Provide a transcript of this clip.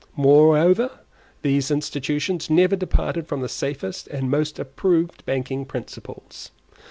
Moreover these institutions never departed from the safest and most approved banking principles.